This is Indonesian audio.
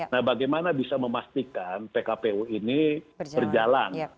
nah bagaimana bisa memastikan pkpu ini berjalan